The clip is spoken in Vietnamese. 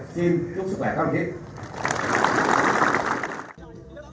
xin chúc sức khỏe các bạn